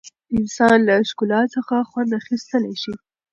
انسان له ښکلا څخه خوند اخیستلی شي.